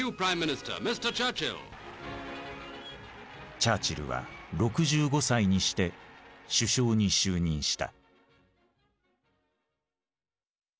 チャーチルは６５歳にして首相に就任した。